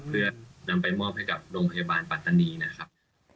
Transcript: เพื่อนำไปมอบให้กับโรงพยาบาลปัตตานีนะครับ